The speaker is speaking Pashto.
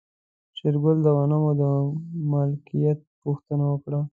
شېرګل د غنمو د مالکيت پوښتنه وکړه.